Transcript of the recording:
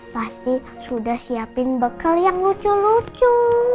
pasti sudah siapin bekal yang lucu lucu